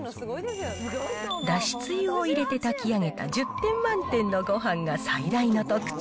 だしつゆを入れて炊き上げた１０点満点のごはんが最大の特徴。